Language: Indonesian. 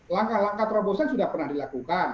langkah langkah terobosan sudah pernah dilakukan